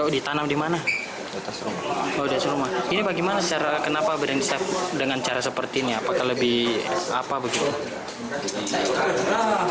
dengan cara seperti ini apakah lebih apa begitu